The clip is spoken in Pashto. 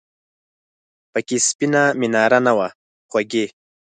پکې سپینه میناره نه وه خوږې !